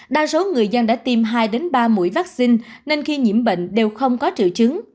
đa số người dân đã tiêm hai ba mũi vaccine nên khi nhiễm bệnh đều không có triệu chứng